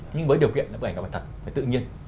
nhưng với điều kiện bức ảnh đó phải thật phải tự nhiên